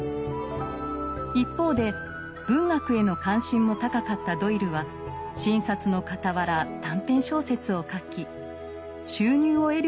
一方で文学への関心も高かったドイルは診察のかたわら短編小説を書き収入を得るようになっていました。